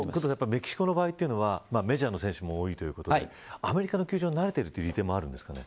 メキシコの場合というのはメジャーの選手も多いということでアメリカの球場に慣れている利点もあるんですかね。